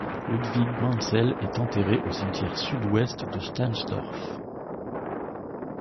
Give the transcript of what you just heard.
Ludwig Manzel est enterré au cimetière Sud-Ouest de Stahnsdorf.